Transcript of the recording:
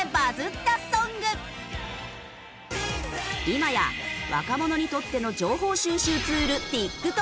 今や若者にとっての情報収集ツール。